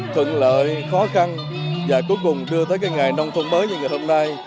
thuận lợi khó khăn và cuối cùng đưa tới cái ngày nông thôn mới như ngày hôm nay